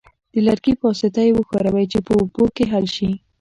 د لرګي په واسطه یې وښورئ چې په اوبو کې حل شي.